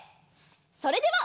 それでは。